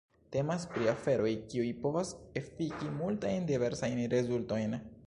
Temas pri aferoj, kiuj povas efiki multajn diversajn rezultojn.